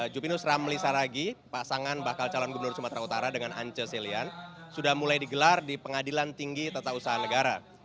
jupinus ramli saragi pasangan bakal calon gubernur sumatera utara dengan ance selian sudah mulai digelar di pengadilan tinggi tata usaha negara